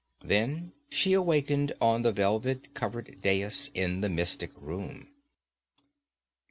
Then she awakened on the velvet covered dais in the mystic room.